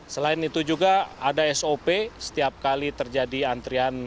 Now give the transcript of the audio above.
selain itu juga ada sop setiap kali terjadi antrian